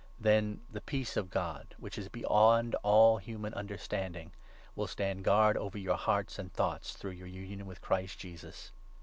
Then the Peace of God, which is beyond all human 7 understanding, will stand guard over your hearts and thoughts, through your union with Christ Jesus.